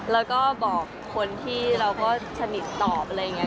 แล้วก็บอกคนที่เราก็สนิทตอบอะไรอย่างนี้